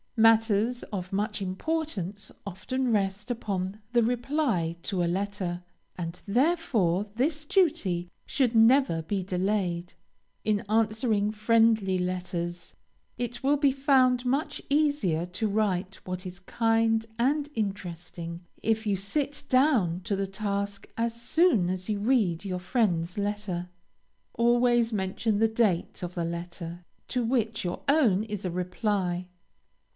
Matters of much importance often rest upon the reply to a letter, and therefore this duty should never be delayed. In answering friendly letters, it will be found much easier to write what is kind and interesting, if you sit down to the task as soon as you read your friend's letter. Always mention the date of the letter to which your own is a reply.